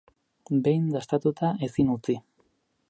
Behin dastatuta, ezin utzi.